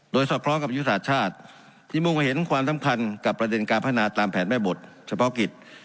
สอดคล้องกับยุทธศาสตร์ชาติที่มุ่งเห็นความสำคัญกับประเด็นการพัฒนาตามแผนแม่บทเฉพาะกิจ